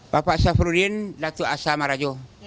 bapak syafrudin latu asamarajo